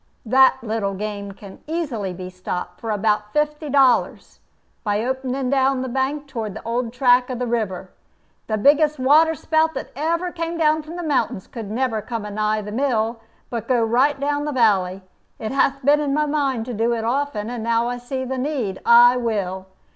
"That little game can easily be stopped, for about fifty dollars, by opening down the bank toward the old track of the river. The biggest waterspout that ever came down from the mountains could never come anigh the mill, but go right down the valley. It hath been in my mind to do it often, and now that I see the need, I will.